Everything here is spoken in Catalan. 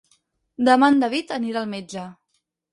Demà en David anirà al metge.